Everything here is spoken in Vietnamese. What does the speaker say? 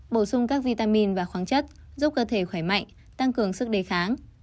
bổ sung các vitamin và khoáng chất giúp cơ thể khỏe mạnh tăng cường sức đề kháng